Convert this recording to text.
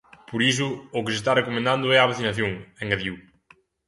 Por iso, o que se está recomendando é a vacinación, engadiu.